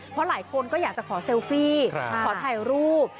เพราะหลายคนก็อยากจะขอเซลฟี่ขอถ่ายรูป